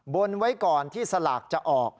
บนไว้ก่อนที่สลากจะออก